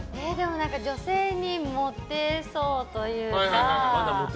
女性にモテそうというか。